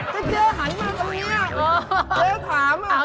ถ้าเจ๊หันมาตรงนี้เจ๊ถาม